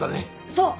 そう！